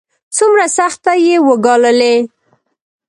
څومره سختۍ يې وګاللې.